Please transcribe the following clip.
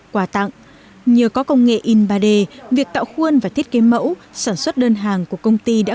quà tặng nhờ có công nghệ in ba d việc tạo khuôn và thiết kế mẫu sản xuất đơn hàng của công ty đã